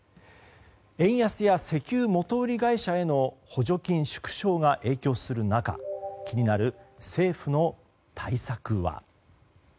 円安や石油元売り会社への補助金縮小が影響する中気になる政府の対策は。